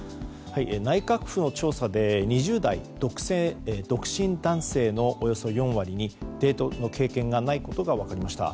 内閣府の調査で２０代独身男性のおよそ４割にデートの経験がないことが分かりました。